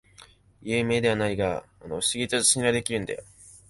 有名ではないが不思議と信頼できるんだよ